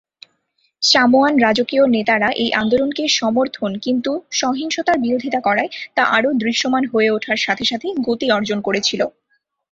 Samoan রাজকীয় নেতারা এই আন্দোলনকে সমর্থন কিন্তু সহিংসতার বিরোধিতা করায় তা আরও দৃশ্যমান হয়ে ওঠার সাথে সাথে গতি অর্জন করেছিল।